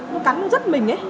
nó cắn nó giấc mình ấy